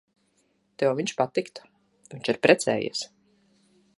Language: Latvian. Tev viņš patiktu. Viņš ir precējies.